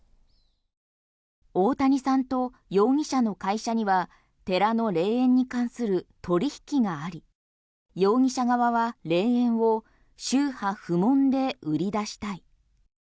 大谷さんと容疑者の会社には寺の霊園に関する取引があり容疑者側は霊園を宗派不問で売り出したい。